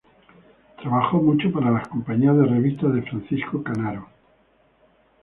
Trabajó mucho para las compañías de revistas de Francisco Canaro.